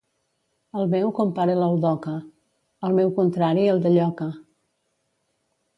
Al meu compare l'ou d'oca; al meu contrari, el de lloca.